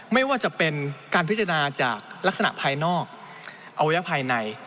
ไม่ว่าจะเป็นการพิจารณาจากลักษณะภายนอกอวัยภายใน